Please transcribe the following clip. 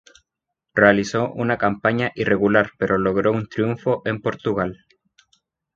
Realizó una campaña irregular pero logró un triunfo en Portugal.